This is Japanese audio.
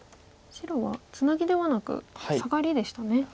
白はツナギではなくサガリでしたね。